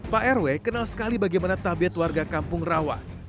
pak rw kenal sekali bagaimana tabiat warga kampung rawa